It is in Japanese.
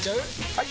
・はい！